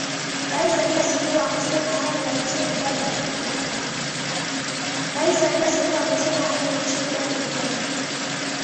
Rais samia suluhu amesema hali ya kiuchumi bado ni ngumu